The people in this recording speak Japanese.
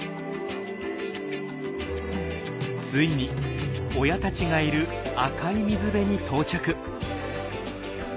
ついに親たちがいる赤い水辺に到着。